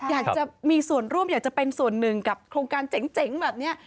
อยากจะมีส่วนร่วมอยากจะเป็นส่วนหนึ่งกับโครงการเจ๋งแบบนี้